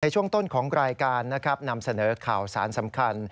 ช่วงต้นของรายการนะครับนำเสนอข่าวสารสำคัญ